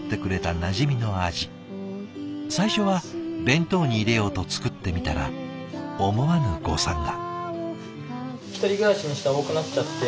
最初は弁当に入れようと作ってみたら思わぬ誤算が。